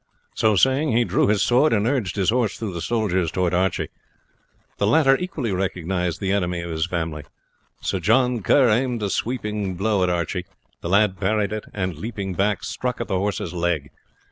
So saying he drew his sword, and urged his horse through the soldiers towards Archie; the latter equally recognized the enemy of his family. Sir John aimed a sweeping blow at him. The lad parried it, and, leaping back, struck at the horse's leg.